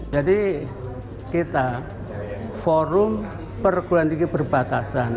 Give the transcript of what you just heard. jadi kita forum perkeluargaan tinggi perbatasan